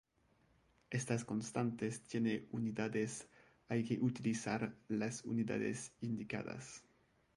Estas constantes tiene unidades hay que utilizar las unidades indicadas.